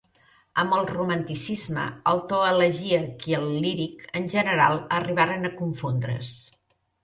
Amb el romanticisme el to elegíac i el líric en general arribaren a confondre's.